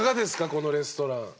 このレストラン。